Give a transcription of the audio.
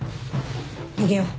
逃げよう。